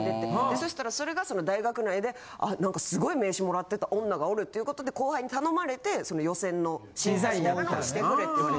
そしたらそれが大学内で「あなんかすごい名刺貰ってた女がおる」っていうことで後輩に頼まれてその予選の審査員してくれって言われて。